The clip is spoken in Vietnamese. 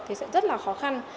thì sẽ rất là khó khăn